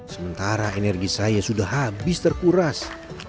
sementara energi saya sudah habis terkuras